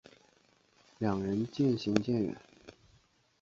两人渐行渐远